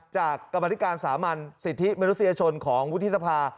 กรรมธิการสามัญสิทธิมนุษยชนของวุฒิสภา